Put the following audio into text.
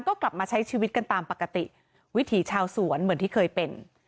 ก็กลับมาใช้ชีวิตกันตามปกติวิถีชาวสวนเหมือนที่เคยเป็น